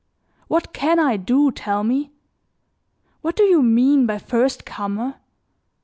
What can I do, tell me? What do you mean by first comer?